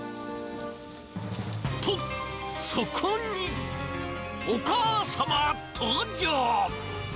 と、そこに、お母様登場。